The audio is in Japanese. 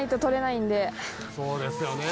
「そうですよね」